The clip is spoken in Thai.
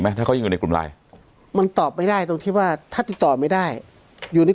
ถ้าเขายังอยู่ในกลุ่มไลน์มันตอบไม่ได้ตรงที่ว่าถ้าติดต่อไม่ได้อยู่ใน